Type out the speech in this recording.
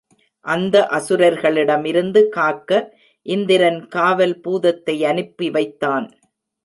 அந்த அசுரர்களிடமிருந்து காக்க இந்திரன் காவல் பூதத்தை அனுப்பிவைத்தான்.